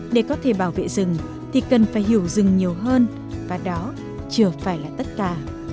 để có thể bảo vệ rừng thì cần phải hiểu rừng nhiều hơn và đó chưa phải là tất cả